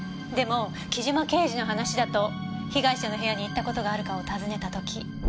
でも木島刑事の話だと被害者の部屋に行った事があるかを尋ねた時。